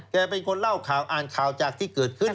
เป็นคนเล่าข่าวอ่านข่าวจากที่เกิดขึ้น